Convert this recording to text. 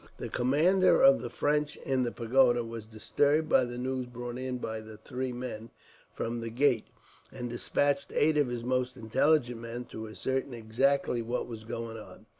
The commander of the French, in the pagoda, was disturbed by the news brought in by the three men from the gate, and despatched eight of his most intelligent men to ascertain exactly what was going on.